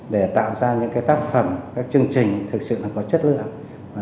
để tạo ra những tác phẩm các chương trình thực sự có chất lượng